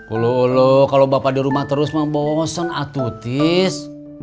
ulu ulu kalau bapak di rumah terus membosen atuh tis